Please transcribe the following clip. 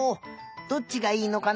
どっちがいいのかな？